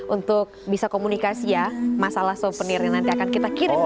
untuk bisa komunikasi ya masalah souvenir yang nanti akan kita kirim